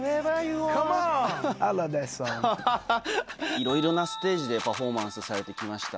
いろいろなステージでパフォーマンスされてきました。